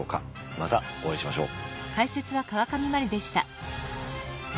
またお会いしましょう。